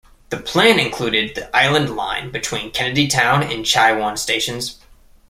The plan included the Island Line between Kennedy Town and Chai Wan stations.